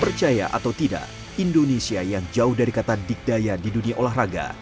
percaya atau tidak indonesia yang jauh dari kata digdaya di dunia olahraga